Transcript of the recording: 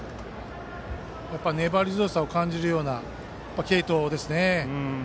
粘り強さを感じるような継投ですね。